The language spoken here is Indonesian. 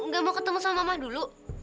gak mau ketemu sama mama dulu